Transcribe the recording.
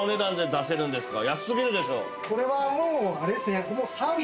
これはもうあれですね。